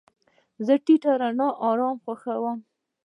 زه د ټیټه رڼا آرام خوښوم.